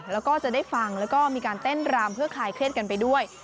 แล้วก็จะได้ฟังแล้วก็มีการเต้นรำเพื่อคลายเครียดกันไปด้วย